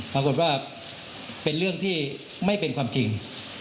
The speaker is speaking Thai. ปรากฏว่าเป็นเรื่องที่ไม่เป็นความจริง